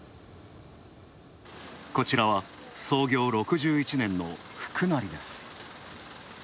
こちらは創業６１年のふく成です。